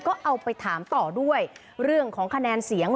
ก็เอาไปถามต่อด้วยเรื่องของคะแนนเสียง